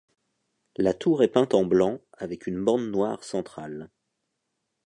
La tour est peinte en blanc avec une bande noire centrale.